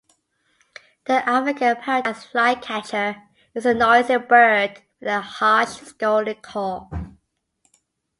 The African paradise flycatcher is a noisy bird with a harsh scolding call.